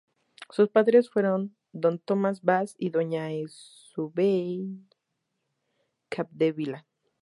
Sus padres fueron don Tomás Bas y doña Eusebia Capdevila.